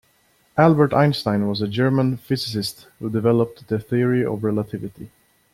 Albert Einstein was a German physicist who developed the Theory of Relativity.